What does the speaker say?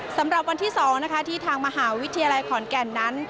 สำหรับวันที่๒นะคะที่ทางมหาวิทยาลัยขอนแก่นนั้น